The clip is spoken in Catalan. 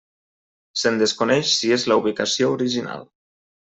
Se'n desconeix si és la ubicació original.